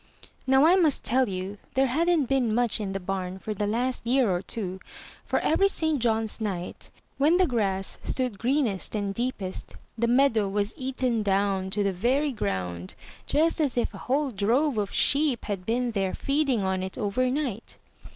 Now, I must tell you there hadn't been much in the bam for the last year or two, for every St. John's night, when the grass stood green est and deepest, the meadow was eaten down to the very ground just as if a whole drove of sheep had been there feeding on it over night.